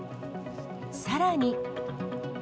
さらに。